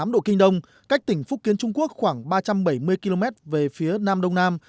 một trăm một mươi chín tám độ kinh đông cách tỉnh phúc kiến trung quốc khoảng ba trăm bảy mươi km về phía nam đông nam